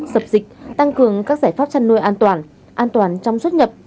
dập dịch tăng cường các giải pháp chăn nuôi an toàn an toàn trong xuất nhập